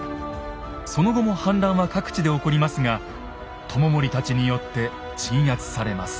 その後も反乱は各地で起こりますが知盛たちによって鎮圧されます。